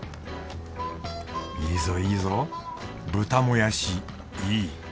いいぞいいぞ豚もやしいい